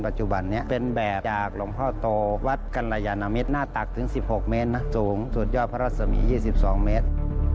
จะมี๒๒เมตร